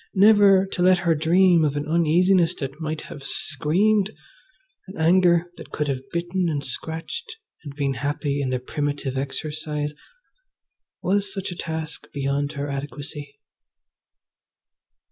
Never to let her dream of an uneasiness that might have screamed, an anger that could have bitten and scratched and been happy in the primitive exercise. Was such a task beyond her adequacy?